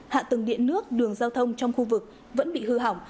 hạ tầng điện nước đường giao thông trong khu vực vẫn bị hư hỏng